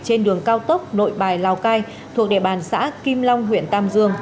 trên đường cao tốc nội bài lào cai thuộc địa bàn xã kim long huyện tam dương